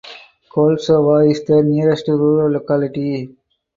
Koltsovo is the nearest rural locality.